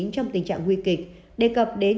trong tình trạng nguy kịch đề cập đến